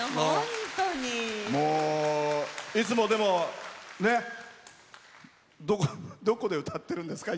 いつも、でもどこで歌ってるんですか？